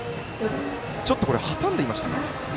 ちょっと挟んでいましたか。